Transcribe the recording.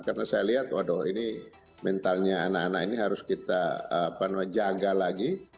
karena saya lihat waduh ini mentalnya anak anak ini harus kita jaga lagi